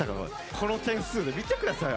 この点数見てくださいよ。